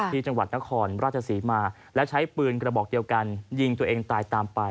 ที่จังหวัดนครราชศรีมาและใช้ปืนกระบอกเดียวกันยิงตัวเองตายตามไป